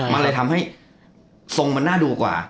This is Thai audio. มันเลยทำให้ทรงมันน่าดูกว่า